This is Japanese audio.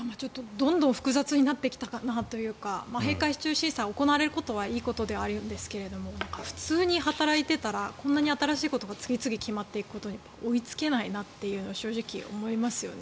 どんどん複雑になってきたなというか閉会中審査が行われることはいいことではあるんですが普通に働いていたらこんなに新しいことが次々決まっていくことに追いつけないなと正直、思いますよね。